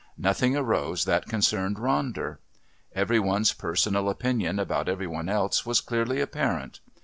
Nothing arose that concerned Ronder. Every one's personal opinion about every one else was clearly apparent.